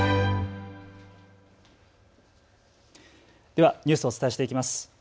ではニュースをお伝えしていきます。